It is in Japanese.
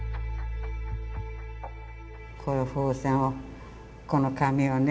この風船をこの紙をね